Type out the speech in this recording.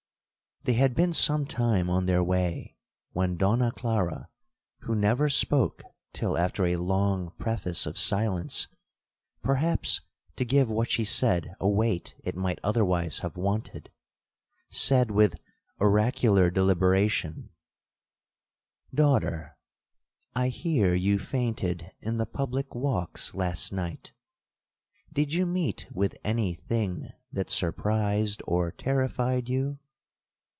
'They had been some time on their way, when Donna Clara, who never spoke till after a long preface of silence, perhaps to give what she said a weight it might otherwise have wanted, said, with oracular deliberation, 'Daughter, I hear you fainted in the public walks last night—did you meet with any thing that surprised or terrified you?'